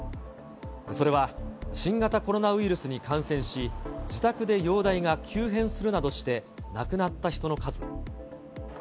それは、新型コロナウイルスに感染し、自宅で容体が急変するなどして亡くなった人の数。